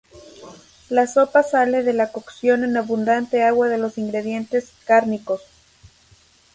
La sopa sale de la cocción en abundante agua de los ingredientes cárnicos.